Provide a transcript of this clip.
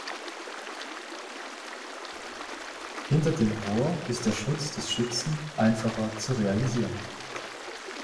Hinter dem Rohr ist der Schutz des Schützen einfacher zu realisieren.